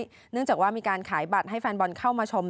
เนื่องจากว่ามีการขายบัตรให้แฟนบอลเข้ามาชม